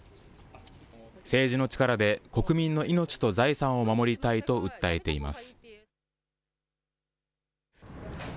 政治の力で国民の命と財産を守りたいと訴えています。